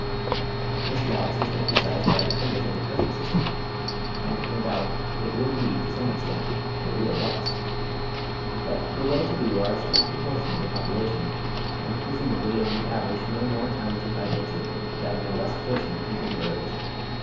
This loss is emphasized by defenders of the present system, and no doubt it would be, to same extent, a real loss. But the well to do are a small proportion of the population, and presumably on the average no more talented by nature than their less fortunate contemporaries.